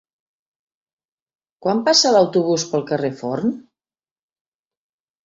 Quan passa l'autobús pel carrer Forn?